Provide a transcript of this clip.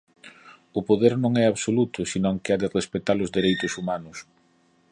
O poder non é absoluto senón que ha de respectar os dereitos humanos.